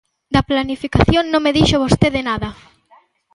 Da planificación non me dixo vostede nada.